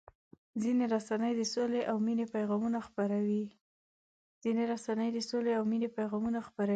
ځینې رسنۍ د سولې او مینې پیغام خپروي.